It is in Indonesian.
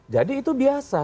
jadi itu biasa